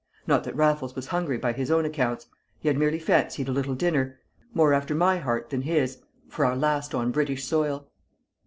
Not that Raffles was hungry by his own accounts; he had merely fancied a little dinner, more after my heart than his, for our last on British soil.